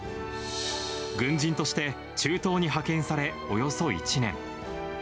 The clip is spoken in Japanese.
軍人として中東に派遣され、およそ１年。